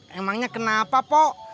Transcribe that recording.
emangnya kenapa pok